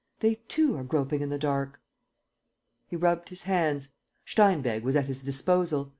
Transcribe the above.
... They, too, are groping in the dark? ..." He rubbed his hands: Steinweg was at his disposal.